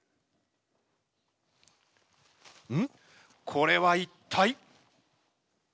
これは一体？